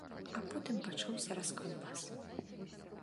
А потым пачаўся раскаўбас!